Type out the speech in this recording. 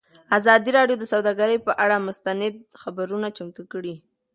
ازادي راډیو د سوداګري پر اړه مستند خپرونه چمتو کړې.